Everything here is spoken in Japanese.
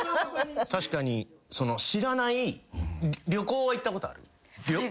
確かにその知らない旅行は行ったことある？